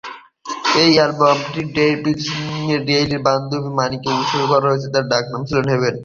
এই অ্যালবামটি ডেভিড রেইলির বান্ধবী মনিকা ইয়াংকে উৎসর্গ করা হয়েছিল, যার ডাকনাম ছিল সেভেন।